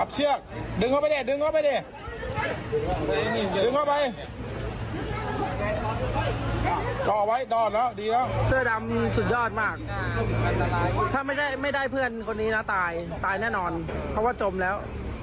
เสื้อดำสุดยอดมากถ้าไม่ได้เพื่อนคนนี้นะตายตายแน่นอนเพราะว่าจมแล้ว